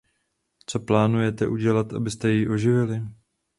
Co plánujete udělat, abyste ji oživili?